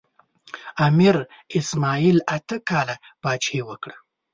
امیر اسماعیل اته کاله پاچاهي وکړه.